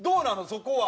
そこは。